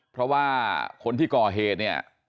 เพราะว่าคนที่ก่อเหตุเนี่ย